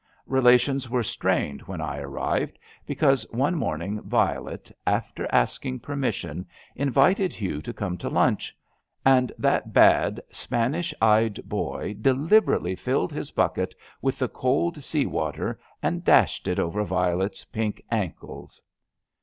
Relations were strained when I arrived because one morning Violet, after asking permission, invited Hugh to come to lunch. And that bad, Spanish eyed boy deliberately filled his bucket with the cold sea water and dashed it over Violet ^s pink ankles.